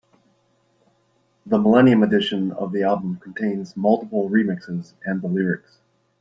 The millennium edition of the album contains multiple remixes and the lyrics.